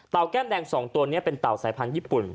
แก้มแดง๒ตัวนี้เป็นเต่าสายพันธุ์ญี่ปุ่น